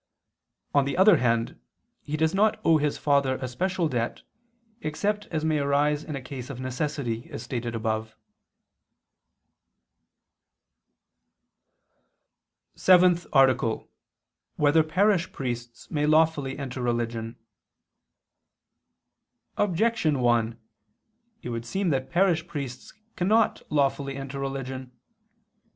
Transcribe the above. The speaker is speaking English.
On the other hand, he does not owe his father a special debt, except as may arise in a case of necessity, as stated above. _______________________ SEVENTH ARTICLE [II II, Q. 189, Art. 7] Whether Parish Priests May Lawfully Enter Religion? Objection 1: It would seem that parish priests cannot lawfully enter religion.